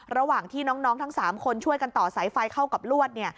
ระหว่างที่น้องทั้ง๓คนช่วยกันต่อสายไฟเข้ากับลวด